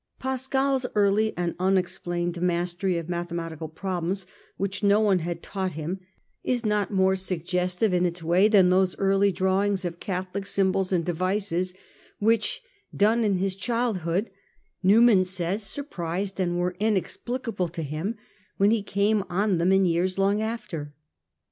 Pascal's early and unexplained mastery of mathe matical problems which no one had taught him, is not more suggestive in its way than those early draw ings of Catholic symbols and devices which, done in his childhood, Newman says, surprised and were in explicable to him when he came on them in years long after.